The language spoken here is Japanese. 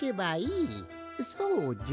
そうじゃ！